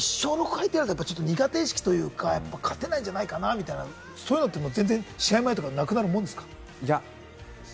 １勝６敗となると苦手意識というか、勝てないんじゃないかという気持ちとか、試合前はなくなるもんですか？